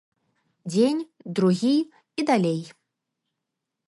Дзень, другі і далей.